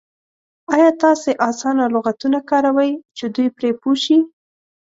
ایا تاسې اسانه لغتونه کاروئ چې دوی پرې پوه شي؟